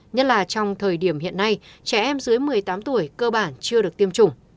nhất là trong thời điểm hiện nay trẻ em dưới một mươi tám tuổi cơ bản chưa được tiêm chủng